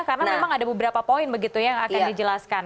karena memang ada beberapa poin begitu yang akan dijelaskan